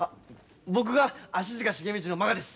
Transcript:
僕が足塚茂道の満賀です。